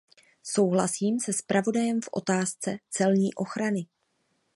Souhlasím se zpravodajem v otázce celní ochrany.